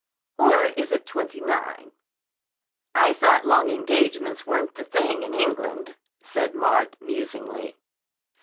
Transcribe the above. "Or is it twenty nine." "I thought long engagements weren't the thing in England," said Maud, musingly.